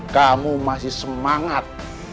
kamu masih semangat